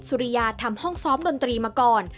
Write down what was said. สุริยาทำห้องซ้อมดนตรีมาก่อน